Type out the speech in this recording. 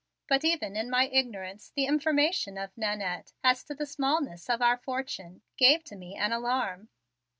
But even in my ignorance the information of Nannette as to the smallness of our fortune gave to me an alarm.